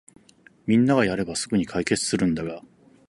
みんながやればすぐに解決するんだが